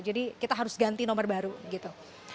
jadi kita harus ganti nomor baru gitu